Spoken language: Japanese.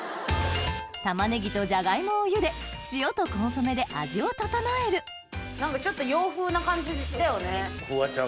玉ねぎとジャガイモを茹で塩とコンソメで味を調える何かちょっと洋風な感じだよね。